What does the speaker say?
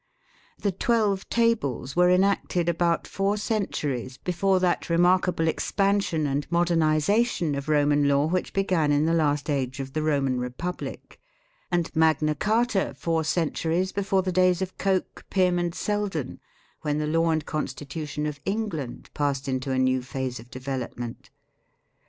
The Twelve Tables were enacted about four cen turies before that remarkable expansion and modern ization of Roman law which began in the last age of the Roman Republic, and Magna Carta four centuries before the days of Coke, Pym, and Selden, when the law and constitution of England passed into a new phase of development.